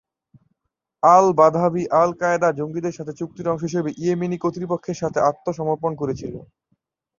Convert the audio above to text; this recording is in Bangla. আল-বাদাভি আল-কায়েদার জঙ্গিদের সাথে চুক্তির অংশ হিসাবে ইয়েমেনি কর্তৃপক্ষের কাছে আত্মসমর্পণ করেছিল।